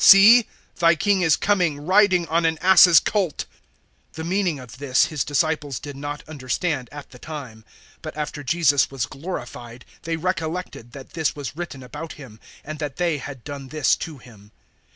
See, thy King is coming riding on an ass's colt." 012:016 The meaning of this His disciples did not understand at the time; but after Jesus was glorified they recollected that this was written about Him, and that they had done this to Him.